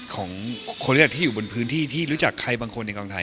ของคนที่อยู่บนพื้นที่ที่รู้จักใครบางคนในกองไทย